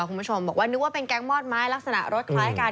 คุณผู้ชมบอกว่านึกว่าเป็นแก๊งมอดไม้ลักษณะรถคล้ายกัน